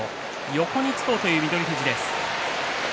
横につこうという翠富士です。